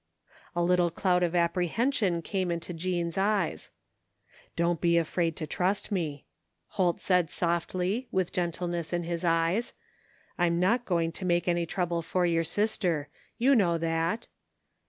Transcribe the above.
A little cloud of apprehension came into Jean's eyes. " Don't be afraid to trust me," Holt said softly, witih gentleness in his eyes, " I'm not going to make any trouble for your sister. You know that."